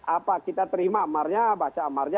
apa kita terima amarnya baca amarnya